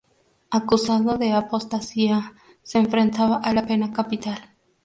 Acusado de apostasía, se enfrentaba a la pena capital.